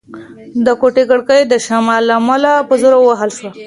د کوټې کړکۍ د شمال له امله په زوره ووهل شوه.